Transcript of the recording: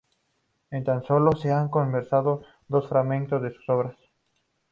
Tan solo se han conservado dos fragmentos de sus obras.